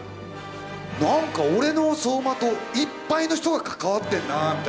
なんか俺の走馬灯いっぱいの人が関わってんなみたいな。